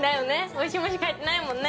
おいしいものしか入ってないもんね